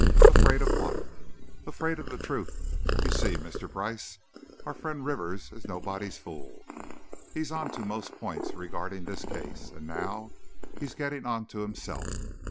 "Afraid of what?" "Afraid of the truth. You see, Mr. Brice, our friend Rivers is nobody's fool. He's onto most points regarding this case, and now, he's getting onto himself.